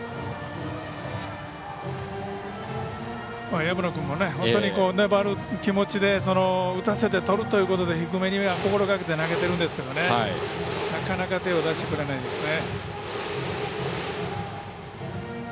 薮野君も本当に粘る気持ちで打たせてとるということで低めを心がけて投げているんですがなかなか手を出してくれないですね。